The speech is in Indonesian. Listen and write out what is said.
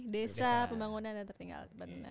desa pembangunan dan tertinggal